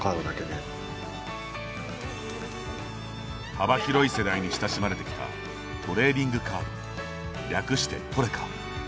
幅広い世代に親しまれてきたトレーディングカード略して「トレカ」。